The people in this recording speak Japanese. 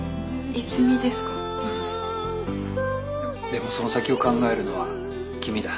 でもその先を考えるのは君だ。